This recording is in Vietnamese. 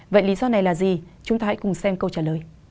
vậy lý do này là gì chúng ta hãy cùng xem câu trả lời